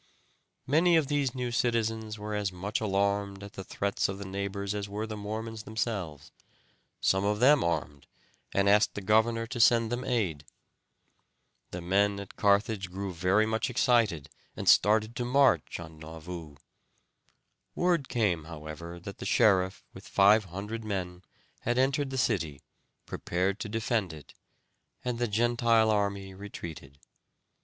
Many of these new citizens were as much alarmed at the threats of the neighbors as were the Mormons themselves; some of them armed, and asked the governor to send them aid. The men at Carthage grew very much excited, and started to march on Nauvoo. Word came, however, that the sheriff, with five hundred men, had entered the city, prepared to defend it, and the Gentile army retreated.